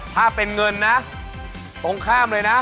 ถ้าเป็นเงินนะตรงข้ามเลยนะ